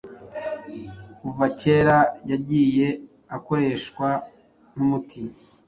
kuva cyera yagiye akoreshwa nk’umuti